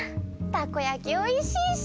たこやきおいしいし！